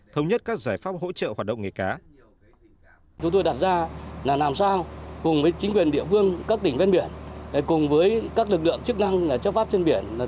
thống nhất các giải pháp hỗ trợ hoạt động nghề cá